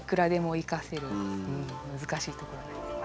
難しいところなんです。